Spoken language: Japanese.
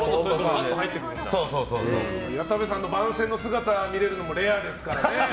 谷田部さんの番宣の姿見れるのもレアですからね。